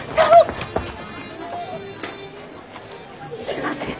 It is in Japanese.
すいません。